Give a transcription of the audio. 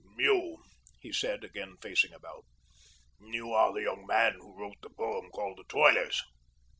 "You," he said, again facing about, "you are the young man who wrote the poem called 'The Toilers.'"